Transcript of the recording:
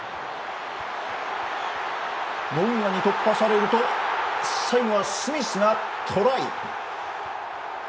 モウンガに突破されると最後はスミスがトライ。